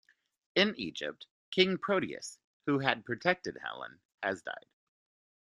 In Egypt, king Proteus, who had protected Helen, has died.